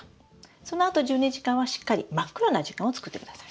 そのあと１２時間はしっかり真っ暗な時間を作ってください。